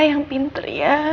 yang pintar ya